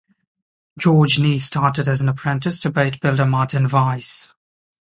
George Kneass started as an apprentice to boat builder Martin Vice.